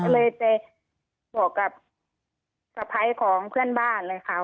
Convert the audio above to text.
ก็เลยไปบอกกับสะพ้ายของเพื่อนบ้านเลยค่ะ